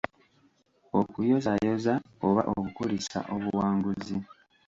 Okuyozaayoza oba okukulisa obuwanguzi.